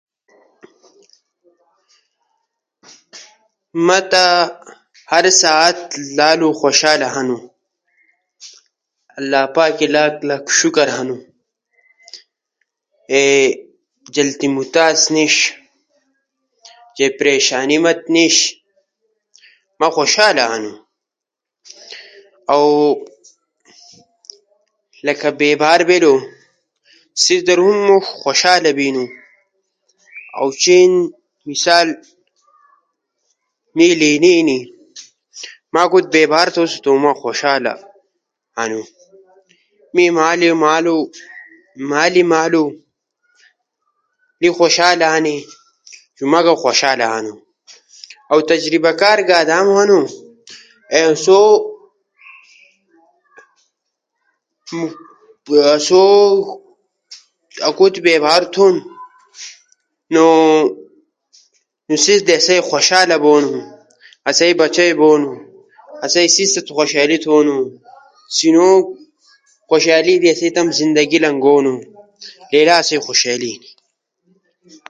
ما حرسحت خوشال ہنو کیا ٹعشن نیش